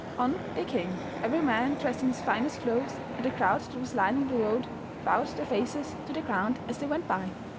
On they came, every man dressed in his finest clothes, and the crowd that was lining the road bowed their faces to the ground as they went by.